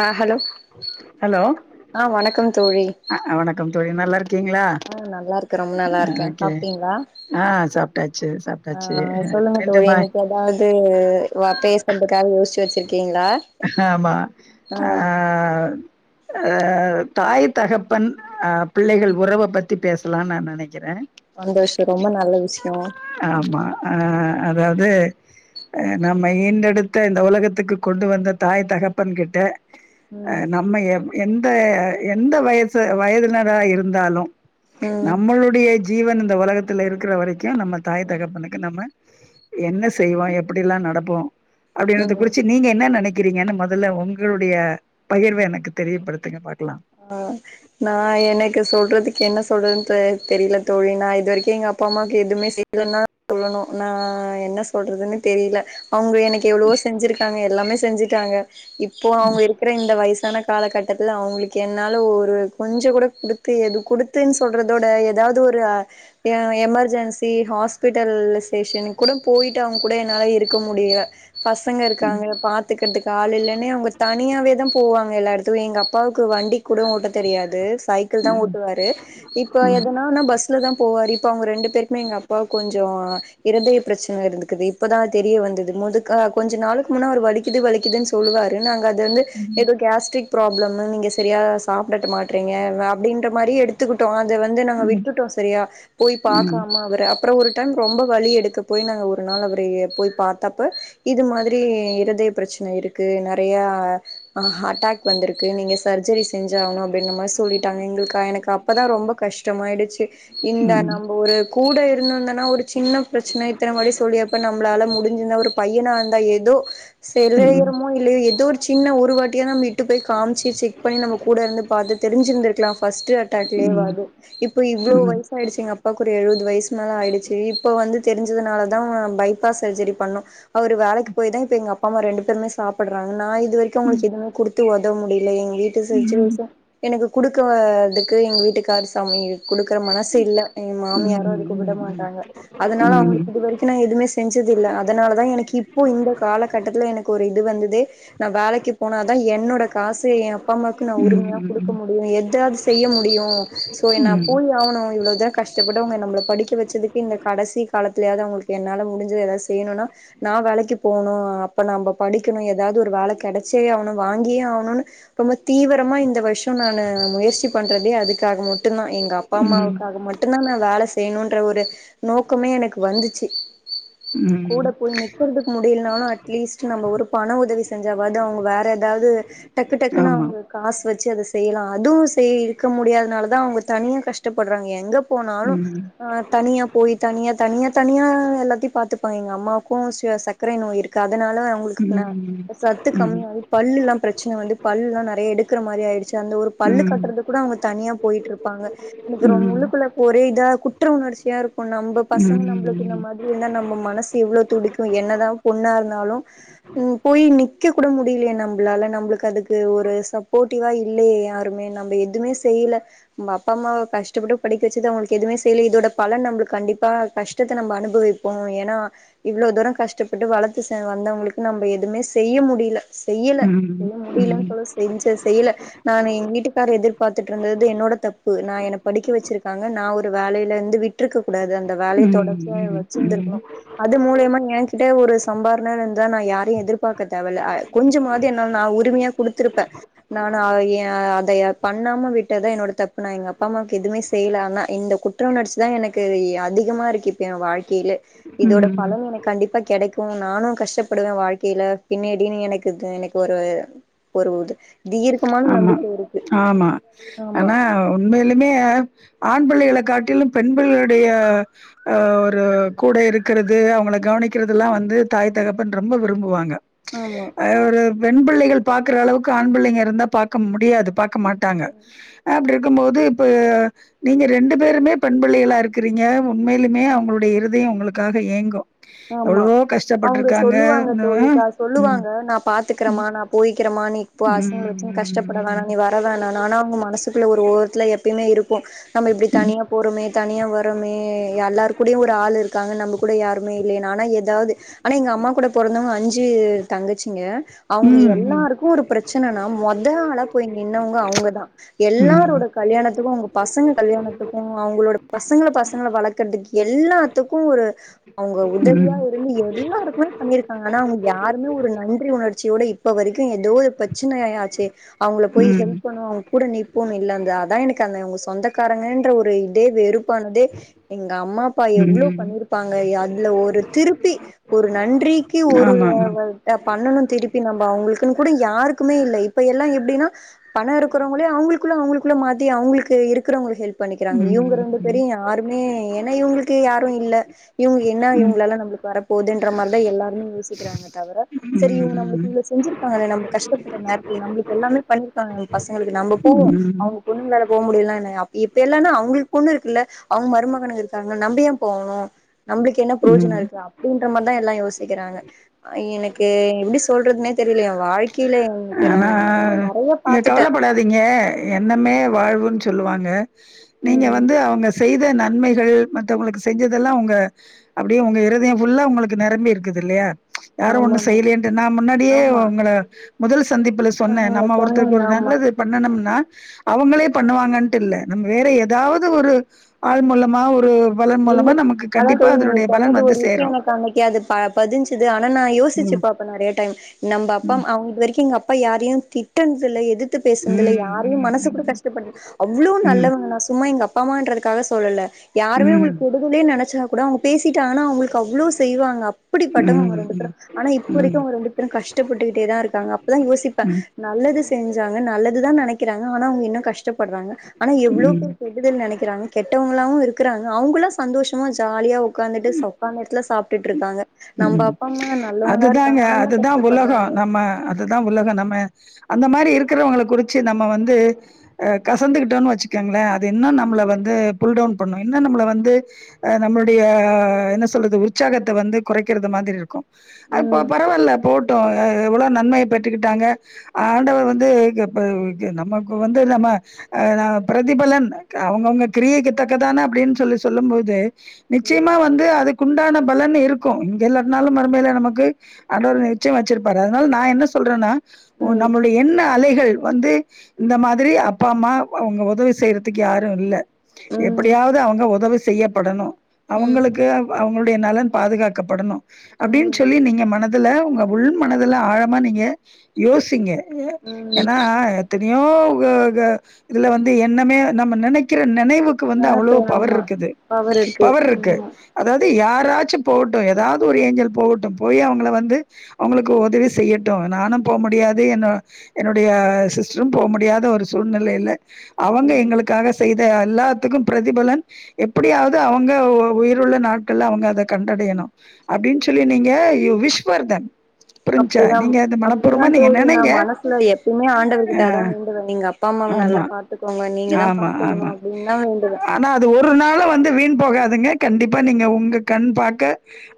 ஆ hello hello ஆ வணக்கம் தோழி அ வணக்கம் தோழி நல்லா இருக்கீங்களா ஆ நல்லா இருக்கறம் நல்லா இருக்கேன் ஓகே சாப்ட்டீங்ளா ஆ சாப்ட்டாச்சு ஆ சாப்ட்டாச்சு சொல்லுங்க தோழி மீண்டுமா இன்னைக்கு எதாவது வா பேசறதுக்காக யோசிச்சு வெச்சு ஆமா அ ஆ அ தாய் தகப்பன் ஆ பிள்ளைகள் ம் உறவ பத்தி பேசலானு நா நென கிறே சந்தோஷோ ரொம்ப நல்ல விஷயோ ஆமா அ அதாவது அ நம்ம ஈன்றெடுத்த இந்த உலகத்துக்கு கொண்டு வந்த தாய் தகப்பன் கிட்ட அ ம் நம்ம எ எந்த எந்த வயசு வயதினரா இருந்தாலு ம் நம்மளுடைய ஜீவன் இந்த உலகத்தல இருக்கற வரைக்கு நம்ம தாய் தகப்பனுக்கு நம்ம என்ன செய்வோ எப்டி எல்லா நடப்போ அப்டின்றது ம் குறிச்சு நீங்க என்ன நென நெனக்கிறீங்கன்னு மொதல்ல உங்களுடைய பகிர்வ எனக்கு தெரியபடுத்துங்க பா ஆ நா எனக்கு சொல்றதுக்கு என்ன சொல்றதுன்னு தெ தெரில தோழி நா இது வரைக்கு எங்க அப்பா அம்மாக்கு எதுமே செய்யலனா சொல்லணு நா ஆ என்ன சொல்றதுனே தெரில அவுங்க எனக்கு எவ்ளவோ செஞ்சிருக்காங்க எல்லாமே செஞ்சுட்டாங்க இப்போ அவுங்க இருக்கிற இந்த வயசான காலகட்டத்துல அவுங்களுக்கு கென்னால ஒரு கொஞ்சோ கூட குடுத்து எது குடுத்துன்னு சொல்றத விட எதாவது ஒரு எமர்ஜென்சி ஹாஸ்பிட்டல்லசேஷன் கூட போய்ட்டு அவுங்க கூட என்னால இருக்க முடியல பசங்க ம் இருக்காங்கள்ள பாத்துக்கிறதுக்கு ஆள் இல்லனே அவுங்க தனியாவேதா போவாங்க எல்லா எடத்துக்கு எங்க அப்பா கூட ஓட்ட தெரியாது சைக்கிள்தா ம் ஓட்டுவாரு இப்ப ம் எதனானா பஸ்லதா போவாரு இப்ப அவுங்க ரெண்டு பேருக்குமே எங்க அப்பாக்கு கொஞ்சோ இருதய பிரச்சன இருந்துக்குது இப்பதா தெரிய வந்தது முதுகு கொஞ்ச நா அதுக்கு முன்ன அவர் வலிக்குது வலிக்குதுன்னு சொல்லுவாரு நாங்க அது வந்து எதோ கேஸ்ட்ரிக் ப்ராப்ளம் நீங்க சரியா சாப்டட்ட மாட்றீங்க நா அப்டின்ற மாரியே எடுத்துக்கிட்டோ அத வந்து நாங்க ம் விட்டுட்டோ சரியா போய் ம் பாக்காம அவர அப்றோ ஒரு டைம் ரொம்ப வழி எடுக்க போய் நாங்க ஒரு நாள் அவர போய் பார்த்தப்ப இது மாரி இரு தய பிரச்சன இருக்கு நெறயா ஹட்டாக் வந்திருக்கு நீங்க செஞ்சாகானு அப்டின்ற மாரி சொல்லிட்டாங்க எங்களுக்கு எனக்கு அப்பதா ரொம்ப கஷ்டமாயிடுச்சு ம் இந்த ம் நம்ம ஒரு கூட இருந்திருந்தன்னா ஒரு சின்ன பிரச்சன இத்தன மாரி சொல்லி அப்ப நம்மளால முடிஞ்சிசிந்தா ஒரு பையனா இந்தா எதோ ம் ம் ம் செலயரமோ இல்லயோ எதோ ஒரு சின்ன ஒரு வாட்டியா நம்ம இட்டு போய் காமிச்சிச்சு பண்ணி நம்ம கூட இருந்து பாத்து தெரிஞ்சிருந்திருக்கலா ஃபர்ஸ்ட் ம் அட்டாக்லயாவது ம் இப்ப இவ்ளோ ம் வயசாயிடுச்சு எங்க அப் பாக்கு ஒரு எழுவது வயசு மேல ஆயிடுச்சு இப்ப வந்து தெரிஞ்சதுனாலதா பை பாஸ் சர்ஜரி பண்ணோ அவரு வேலைக்கு போய்தா இப்ப எங்க அப்ப அம்மா ரெண்டு பேருமே சாப்டறாங்க நா இது வரைக்கு அவுங்களுக்கு எது குடுத்து ஒதவ் முடில எங் வீ டு சுச்சுவேஷன் எனக்கு குடுக்காதுக்கு எங்க வீட்டுக்கார் சாமி குடுக் கற மனசு இல்ல எங்க மாமியாரு அதுக்கு விட மாட்டாங்க அதனால அவுங்களுக்கு இதுவரைக்கு நா எதுமே செஞ்சதில்ல அதனால தா எனக்கு இப்போ இந்த காலக்கட்டத்துல எனக்கொரு இது வந்து து நா வேலைக்கு போனா தா என்னோட காசு எ அப்பா அம்மாக்கு நா உரிமையா குடுக்க முடியு எதாவ்து செய்ய முடியு சோ எ நா போய் ஆவணு இவ்ளவ் தா கஷ் டப்பட்டு அவுங்க நம்ள படிக்க வெச்சதுக்கு இந்த கடசி காலத்துலயாவ்து அவுங்களுக்கு என்னால முடிஞ்சது எதா செய்யணுன்னா நா வே லைக்கு போனு அப்ப நம்ப படிக்கணு எதாவ்து ஒரு வேல கெடச்சே ஆவணு வாங்கியே ஆவணுனு ரொம்ப தீவரமா இந்த வர் ஷோ நானு முயற்சி பண்றதே அதுக்காக மட்டுந்தா எங்கப்பா, ம் ம் அம்மாவுக்காக மட்டுந்தா நா வேல செய்யணுன்ற ஒரு நோக்கமே எனக்கு வந்துச்சு ம் ம். கூட போய் நிக்கறதுக்கு முடியில்னாலு அட்லீஸ்ட்டு நம்ம ஒரு பண உதவி செஞ்சாவாது அவங்க வேற எதாவ்து டக்கு டக் குனு ஆமா அவங்க காஸ் வெச்சி அத செய்யலா அதுவு செய் இருக்க முடியாதனால தா அவுங்க தனியா கஷ்டப்பட்றாங்க எங்க போனாலு ம் ஆ தனியா போய் தனியா தனியா தனியா எல்லாத்தையு பாத்துப் பே எங்கம்மாக்கு சு சக்கரை நோய் இருக்கா அதனால அவுங்களுக்கு ம் நா ம் சத்து ம் கம்மியாயி பல்லுல்லா பிரச்சன வந்து பல்ல்லா நெறைய எடுக்கற மாரி ஆயிடுச்சி அந்த ஒரு பல்லு ம் கட்றதுக்கூட அவுங்க தனியா போயிட்ருப்பாங்க எனக்கு ம் ரொம் ம் உள்ளுக்குள்ள ஒரே இதா குற்ற உணர்ச்சியா இருக்கு நம்ப பசங்க ம் நம் ப்ளுக்கு இந்த மாத்ரி இருந்தா நம்ப மனசு எவ்ளோ துடிக்கு என்ன தா பொண்ணா இருந்தாலு ம் போயி நிக் கக் கூட முடியிலயே நம்ப்ளால நம்ப்ளுக்கு அதுக் கு ஒரு சப்போட்டிவா இல்லயே யாருமே நம்ப எதுமே செய்யல ம அப்பா அம்மாவ கஷ்டப்பட்டு படிக்க வச்சது அவுங்களுக்கு எதுமே செய்லயே இதோட பலன் நம்ப்ளுக் கண்டிப்பா கஷ்டத்த நம்ப அனுபவிப்போ ஏனா இவ்ளோ தூரோ கஷ்டப்பட்டு வளத்து சே வந்தவங்களுக்கு நம்ப எதுமே செய்ய முடியில செய்யல ம் ம் செய்ய முடியிலன் சொல்லல செஞ்ச செய்யல நானு எங் வீட்டுக்கார எதிர்பாத்துட்ருந்தது என்னோட தப்பு நா என்ன படிக்க வெச்சிருக்கா ங்க நா ஒரு வேலைலருந்து விட்ருக்க கூடாது அந்த வேலய தொடர்ச்சியா வெ ச்சிருந்துருக்கனு ம் அது மூலியமா ஏ கிட்ட ஒரு சம்பார்ணனு இர்ந்தா நா யாரையு எதிர்பாக்க தேவல்ல அய் கொஞ் சமாது என்னால நா உரிமையா குடுத்திருப்பே நானு அத ஏ அதைய பண்ணாம விட்ட தா என்னோட தப்பு நா எங்கப்பா அம்மாக்கு எதுமே செய் ல ஆனா இந்த குற்ற உணர்ச்சி தா எனக்கு இ அதிகமா இருக்கு இப்ப எ வாழ்க்கைலே இதோட ம், பலன் எனக் கண்டிப்பா கெடைக்கு நானு கஷ்டப்படுவே வாழ்க்கைல பின்னாடினு எனக்கு தோ எனக் ஒரு ஒரு உத தீர்க் ஆமா ஆமா ஆமா ஆனா உண்மைலுமே ஆண் பிள்ளைகள காட்டிலு பெண்பிள்ளுடைய அ ஒரு கூட இருக்கறது அவுங்கள கவனிக்கறதுல்லா வந் து தாய் தகப்பன் ரொம்ப விரும்புவாங்க ஆமா அ ஒரு பெண்பிள்ளைகள் பாக்கறளவுக்கு ஆண் பிள்ளைங்க இருந்தா பாக்க முடியாது பாக் க மாட்டாங்க அப்டி இருக்கும் போது இப்ப நீங்க ரெண்டு பேருமே பெண்பிள்ளைகளா இருக்கிறீங்க உண்மைலுமே அவுங்களுடைய இருதயோ உங்களுக்காக ஏங்கு எவ்ளவோ கஷ் அவுங்க சொல்லுவாங்க தோழி கா ம் சொல்லுவாங்க நா பாத்துக்கறமா நா போய்க்கிறமா நீ ம் பசங்கள வெச்சினு கஷ்டப்பட வேணா ம் நீ வர வேணானு ஆனா அவங்க மனசுக்குள்ள ஒரு ஓரத்துல எப்பயுமே இருக் கு நம்ம இப்டி ம் தனியா போறோமே தனியா வரமே எல்லார் கூடயு ஒரு ஆள் இருக்காங்க நம்ப கூட யாரு ஆனா எதாவ்து ஆனா எங்கம்மா கூட பொறந்தவங்க அஞ்சு தங்கச்சிங்க ம் ம் அவுங்க ம் எல்லாருக்கு ஒரு பிரச்சனன்னா மொத ஆளா போய் நின்னவ்ங்க அவுங்க தா எல்லாரோட ம் கல்யாணத்துக்கு அவுங்க பசங்க கல்யாணத்துக்கு அவுங்களோட பசங்கள பசங்கள வளக்கறதுக் எல்லாத்துக்கு ஒரு அவுங்க ம் ம் உதவியா இருந்து எல்லாருக்குமே பண்ணிருக்காங்க ஆனா அவுங்க யாருமே ஒரு நன்றி உணர்ச்சியோட இப் ப எதோ ஒரு பிரச்சினை ய ஆச்சு அவுங்கள போய் ஹெல்ப் ம். பண்ணுவோ அவுங்கூட நிப்போனு இல்ல அந்த அதா எனக்கு அந்த அவுங்க சொந்தக் காரங்கன்ற ஒரு இதே வெறுப்பானதே எங்கம்மா அப்பா எவ்ளோ ம். பண்ணிருப்பாங் க அதுல ஒரு திருப்பி ஒரு நன்றிக்கு ஒரு வே ஆமாமா. வல் அ பண்ணனு திருப்பி நம்ப உங்களுக்கு கூட யாருக்கு இல்ல இப்ப எல்லா எப்டின்னா பணம் இருக்கிறவங்களே அவங்களுக்குள்ள அவங்களுக்குள்ள மாத்தி அவங்களுக்கு இருக்கிறவங்களுக்கு ஹெல்ப் பண்ணிக்கிறாங்க இவங்க ரெண்டு ம். பேரயு யாருமே ஏன்னா இவங்களுக்கு யாரு இல்ல இவங்க என்ன ம். இவங்களால நம்ளுக்கு வர போகுதுன்ற மாரிதா எல்லாருமும் யோசிக்கிறாங்க தவர சரி இவங்க நம்மளுக்கு ம். இவ்ளோ செஞ்சு இருக்கா நம்ம கஷ்டப்பட்டற நேரத்துல நம்மளுக்கு எல்லாமே பண்ணிருக்காங்க பசங்களுக்கு நம்ம போவோ ம். அவங்க பொண்ணுங்கள போக முடியலன்ன என்ன இப்ப எல்லான்னா அவங்களுக்கு பொண்ணு இருக்குல்ல அவங்க மருமகனுங்க இருக்காங்க நம்ப ஏ போகணு நம்மளுக்கு என்ன பிரயோஜனம் ம். இருக்கு அப்டின்ற மாரிதா எல்லாம் யோசிக்கிறாங்க எனக் கு எப்டி சொல்றதுனே தெரியல எ வாழ்க் ஆனா நீங்க பாத்துட்டே கவலப்படாதீங்க எண்ணமே ம் வாழ்வுன்னு சொல்லுவாங்க நீங்க ம் வந்து அவங்க செய்த நன்மை கள் மற்றவங்களுக்கு செஞ்சதெல்லா உங்க அப்டியே உங்க இருதயம் ஃபுல்லா உங்களுக்கு நெரம்பி இருக்குது இல்லயா யாரு ஒண்ணு ஆமாமா செய்யலயே நா முன்னாடியே ஆமா உங்கள முதல் சந்திப்புல சொன்னே நீங்க நம்ம ஒருத்தருக்கு சொன்னீங்க ஒரு ஆமா நல்லது ஆமா பண்ணனும்னா அவங்களே பண்ணுவாங்கட்டு இல்ல நம்ம வேற எதாவது ஒரு ஆள் மூலமா ஒரு பலன் மூலமா நமக்கு அதா கண்டிப்பா தோழி நீங்க அதனுடைய பலன் சொன்னது வந்து ஒரு விஷயம் சேரும் எனக்கு அன்னக்கு அது பதிஞ்சுது ஆனா நா யோசிச்சு ம் பாப்ப நெறய டைம் நம்ப அப்பா ம் அவங்க இது வரைக்கும் எங்க அப்பா யாரையு திட்னதுல எதி த்து பேசினதுல ம் யாரையு மனசு கூட ம் கஷ்டப்படு அவ்ளோ ம் நல்லவங்க சும்மா எங்க அப்பா அம்மான்றதுக்காக சொல்லல யாருமே ம் உங்களுக்கு உதவலன்னு நினைச்சா கூட அவங்க பேசிட்டாங்கனா அவங்களுக்கு அவ்ளோ செய்வாங்க அப்டி ம் பட்டவங்க ம் ரெண்டு பேரு ஆனா இப்ப வரைக்கு அவங்க ரெண்டு பேரு கஷ்டப்பட்டுக்கிட்டே தா இருக்காங்க அப்பதா யோசிப்ப ம் ம் நல்லது செஞ்சாங்க நல்ல துதா நெனைக்கிறாங்க ஆனா அவங்க இன்னு கஷ்டப்பட்றாங்க ஆனா எவ்ளோ பேர் கெடுதல் நெனைக்கிறாங்க கெட்டவங்களாவு இருக் அவங்களா சந்தோஷமா ஜாலியா உக்காந்துட்டு உக்காந்த எடத்துல சாப்டுட்டு இருக்காங்க நம்ப அப்பா அம்மா நல்லவங்களா அதுதாங்க இருக்காங்க ஆனா இன்னு அதுதா உலக கஷ்டப்பட்றாங்க நம்ம அதுதான் உலக நம்ம அந்த மாரி இருக்கிறவங்கள குறிச்சு நம்ம வந்து கசந்துக்கிட்டோன் வச்சுக்கோங்களே இன்னு நம்ள வந்து கூல்டவுன் பண்ணு இன்னு நம்மள வந்து நம்மளுடைய என்ன சொல்றது உற்சாகத்த வந்து குறைக்கிறது மாதிரி இருக்கும் அது ம் ம் பரவாயில்ல போட் எவ்வளோ நன்மைய பெற்றுக்கிட்டாங்க ஆண்டவர் வந்து நமக்கு வந்து நம பிரதிபலன் அவங்கவுங்க கிரியைக்குத்தக்கதான அப்டின்னு சொல்லி சொல்லும்போது நிச்சயமா வந்து அதுக்குண்டான பலன் இருக் கும் இங்க இல்லாட்னாலு மறுமேல நமக்கு ஆண்டர் நிச்சயம் வச்சிருப்பாரு அதனால நா என்ன சொல்றேன்னா ம் நம்மளுடைய எண்ண அலை டு வந்து இந்த மாதிரி அப்பா அம்மா அவங்க உதவி செய்றதுக்கு யாரு இல்ல ம் எப்படியாவது அவங்க உதவி செய்யப்படணும் ம் அவங்களுக்கு அவங்களுடைய நலன் பாதுகாக் கப்படணும் அப்டின்னு ம் சொல்லி நீங்க மன துல உங்க உள் மனதுல ஆழமா நீங்க யோசிங்க ம் ஏன்னா த்தனையோ இதுல வந்து எண்ணமே நம்ம நெனைக்கிற நெனைவுக்கு வந்து அவ்ளோ நெனப்பு பவர் ஆமா இருக்குது பவர் இருக்கு அதாவது யாராச்சும் போட் எதாவது ஒரு ஏஞ்சல் போகட்டு போய் அவங்கள வந்து அவங்களுக்கு உதவி செய்யட் டும் நானு போ ம் முடியாது என்னோ என்னுடைய சிஸ்டரும் போக முடியாத ஒரு சூழ்நிலைல அவங்க ம் எங்களுக்காக செய் த எல்லாத்துக்கு பிரதிபலன் எப்படியாவது அவங்க உயிருள்ள நாட்கள்ள அவங்க அத கண்டடையணு அப்டின் சொல்லி நீங்க யு விஸ் ஃபர் தன் புரிஞ்சா அப்டிதா நீங்க அது அப்டிதா மனப்பூர்வமா நீங்க தோழி நா நெனைங்க மனசுல எப்பயுமே ஆ ஆண்டவர்கிட்ட அதா வேண்டுவே எங்க அப்பா அம்மாவ ஆமா நல்லா பாத்துக்கோங்க நீங்க தா ஆமா பாத்துக்கணு ஆமா அப்டின்னு தா வேண்டுவே ஆனா அது ஒரு நாளு வந்து வீண் போகாதுங்க கண்டிப்பா நீங்க உங்க கண் பாக்க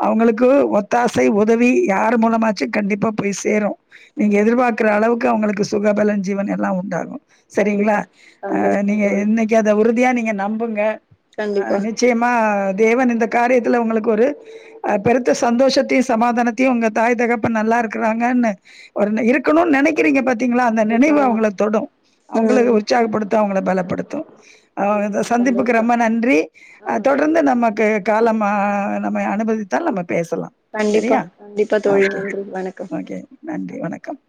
அவங்களுக்கு ஒத்தாசை உதவி யார் மூலமாச்சு கண்டிப்பா போய் சேரும் நீங்க ம் எதிர்பாக்குற அளவுக்கு அவங்களுக்கு சுகபலன் ஜீவன் எல்லா உண்டாகும் சரிங்களா கண்டிப்பா அ சந்தோஷோ நீங்க தோழி இன்னைக்கு அத உறுதியா நீங்க நம்புங்க அ கண்டிப்பா நிச்சயமா தேவன் இந்த காரியத்துல உங்களுக்கு ஒரு அ பெருத்த சந்தோஷத்தையு சமாதானத்தையு உங்க தாய் தகப்பன் நல்லா இருக்குறாங்கன்னு ஒரு ந இருக் இருக்கணுனு நெனக்கிறீங்க பாத்தீங்களா அந்த கண்டிப்பா நெனைவு ஆமா அவுங்கள தொடு ம் அவுங்களுக்கு உற்சாகப்படுத்து அவுங்கள பலப்படுத்து அ இந்த சந்திப்புக்கு சந்தோஷம் ரொம்ப நன்றி ஆ அ தொடர்ந்து நமக்கு காலமா நம்மய அனுபதித்தால் நம்ம பேசலா கண்டிப்பா சரியா கண்டிப்பா தோழி ஓகே நன்றி வணக்கம் ஓகே நன்றி றி வணக்கம்